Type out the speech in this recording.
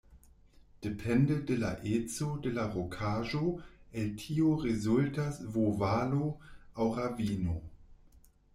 Depende de la eco de la rokaĵo el tio rezultas V-valo aŭ ravino.